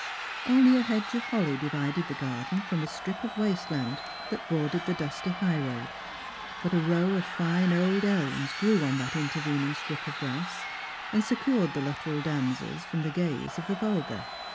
Only a hedge of holly divided the garden from a strip of waste land that bordered the dusty high road ; but a row of fine old elms grew on that intervening strip of grass, and secured the Luttrell damsels from the gaze of the vulgar.